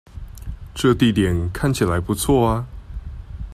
這地點看起來不錯啊